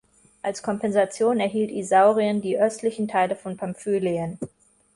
Als Kompensation erhielt Isaurien die östlichen Teile von Pamphylien.